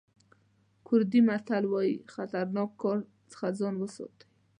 کوردي متل وایي له خطرناکه کار څخه ځان وساتئ.